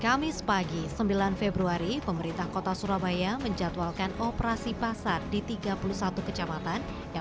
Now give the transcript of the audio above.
kamis pagi sembilan februari pemerintah kota surabaya menjatuhkan operasi pasar di tiga puluh satu kecamatan yang